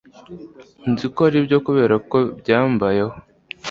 nzi ko aribyo 'kuberako byambayeho